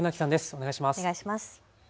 お願いします。